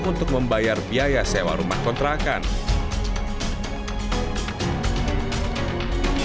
untuk membayar biaya sewa rumah kontrakan hai hai